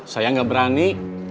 saya nggak berani